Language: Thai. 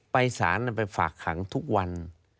ไปศาลนั้นไปฝากหังทุกวัน